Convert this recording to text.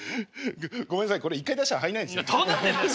ごめんなさいこれ一回出したら入んないんですよ。